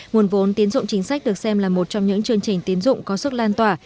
nguồn vốn tín dụng chính sách được xem là một trong những chương trình tiến dụng có sức lan tỏa